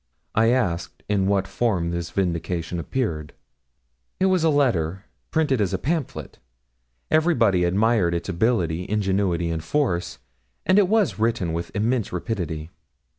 I asked in what form this vindication appeared. 'It was a letter, printed as a pamphlet; everybody admired its ability, ingenuity, and force, and it was written with immense rapidity.'